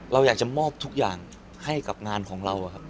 เราอยากจะมอบทุกอย่างให้กับงานของเราครับ